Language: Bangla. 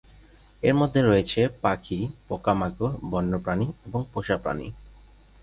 এর মধ্যে রয়েছে পাখি, পোকামাকড়, বন্যপ্রাণী এবং পোষা প্রাণী।